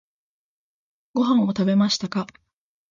ご飯を食べましたか？